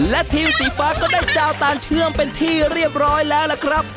และทีมสีฟ้าก็ได้เจ้าตานเชื่อมเป็นที่เรียบร้อยแล้วล่ะครับ